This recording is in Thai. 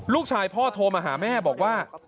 ลูกชายพ่อโทรมาหาแม่บอกว่า